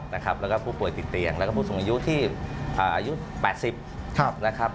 แล้วก็ผู้ป่วยติดเตียงแล้วก็ผู้สูงอายุที่อายุ๘๐นะครับ